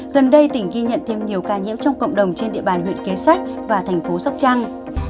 gần đây tỉnh ghi nhận thêm nhiều ca nhiễm trong cộng đồng trên địa bàn huyện kế sách và thành phố sóc trăng